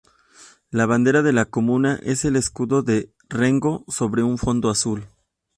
La bandera de la comuna es el escudo de Rengo sobre un fondo azul.